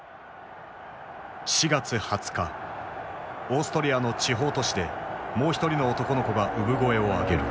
オーストリアの地方都市でもう一人の男の子が産声を上げる。